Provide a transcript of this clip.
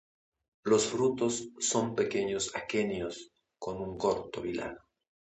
Los frutos son pequeños aquenios con un corto vilano.